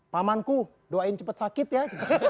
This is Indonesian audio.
pamanku doain cepet sakit ya